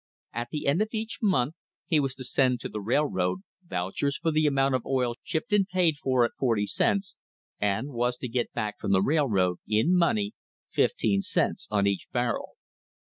At the end of each month he was to send to the rail road vouchers for the amount of oil shipped and paid for at forty cents, and was to get back from the railroad, in money, fifteen cents on each barrel.